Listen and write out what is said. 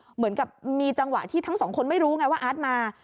เหมือนกับมีจังหวะที่ทั้งสองคนไม่รู้ไงว่าอาร์ตมา